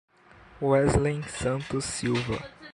Weslen Santos Silva